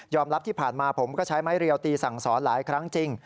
รับที่ผ่านมาผมก็ใช้ไม้เรียวตีสั่งสอนหลายครั้งจริง